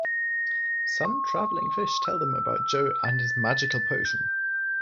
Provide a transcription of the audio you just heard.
Some traveling fish tell them about Joe and his "magical potion".